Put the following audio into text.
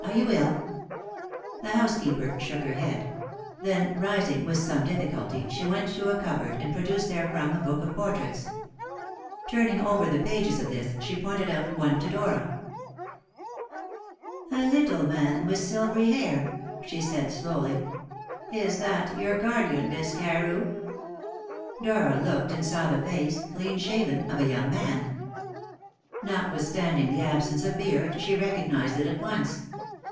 Are you ill?" The housekeeper shook her head; then, rising with some difficulty, she went to a cupboard, and produced therefrom a book of portraits. Turning over the pages of this, she pointed out one to Dora. "A little man with silvery hair," she said slowly "is that your guardian, Miss Carew?" Dora looked and saw the face clean shaven of a young man. Notwithstanding the absence of beard, she recognised it at once.